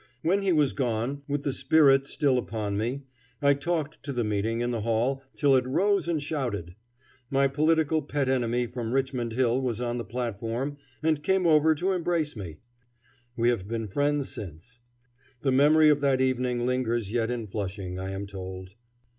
When he was gone, with the spirit still upon me I talked to the meeting in the hall till it rose and shouted. My political pet enemy from Richmond Hill was on the platform and came over to embrace me. We have been friends since. The memory of that evening lingers yet in Flushing, I am told.